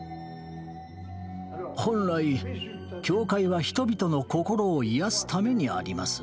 本来教会は人々の心を癒やすためにあります。